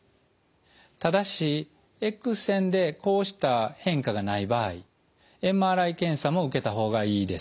ただしエックス線でこうした変化がない場合ＭＲＩ検査も受けた方がいいです。